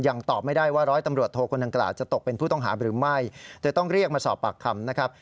ตอบไม่ได้ว่าร้อยตำรวจโทคนดังกล่าวจะตกเป็นผู้ต้องหาหรือไม่เธอต้องเรียกมาสอบปากคำนะครับ